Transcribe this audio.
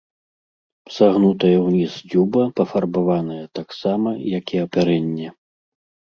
Сагнутая ўніз дзюба пафарбаваная таксама, як і апярэнне.